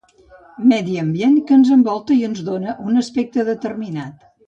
Medi ambient que ens envolta i ens dóna un aspecte determinat.